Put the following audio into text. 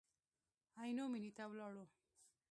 عینو مېنې ته ولاړو.